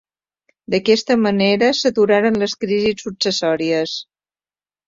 D'aquesta manera s'aturaren les crisis successòries.